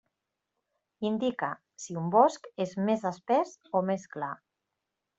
Indica si un bosc és més espès o més clar.